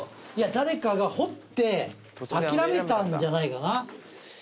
誰かが掘って諦めたんじゃないかな？